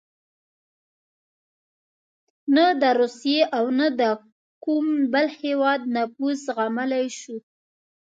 نه د روسیې او نه د کوم بل هېواد نفوذ زغملای شو.